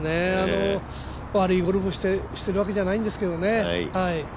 悪いゴルフしているわけじゃないんですけどね。